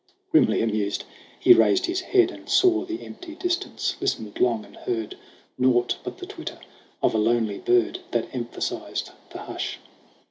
Grimly amused, he raised his head and saw The empty distance : listened long and heard Naught but the twitter of a lonely bird That emphasized the hush.